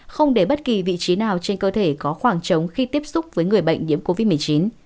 không để bất kỳ vị trí nào trên cơ thể có khoảng trống khi tiếp xúc với người bệnh nhiễm covid một mươi chín